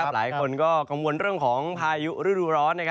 หลายคนก็กังวลเรื่องของพายุฤดูร้อน